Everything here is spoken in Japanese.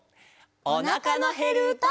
「おなかのへるうた」。